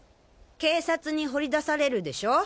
警察に掘り出されるでしょ？